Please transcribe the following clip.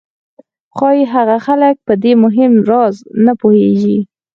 ښایي هغه خلک په دې مهم راز نه پوهېږي